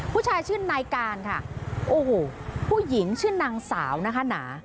ผู้ชายชื่อนายการค่ะโอ้โหผู้หญิงชื่อนางสาวนะคะหนา